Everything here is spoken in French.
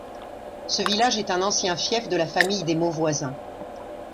Ce village est un ancien fief de la famille des Mauvoisin.